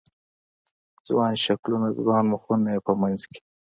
ځوان شکلونه، ځوان مخونه یې په منځ کې